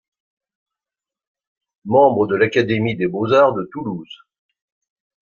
Membre de l'Académie des Beaux-Arts de Toulouse.